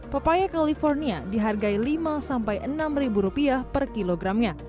pepaya california dihargai lima sampai enam rupiah per kilogramnya